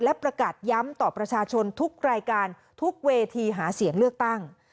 และประกาศย้ำต่อประชาชนทุกรายการทุกเวทีหาเสียงเลือกตั้ง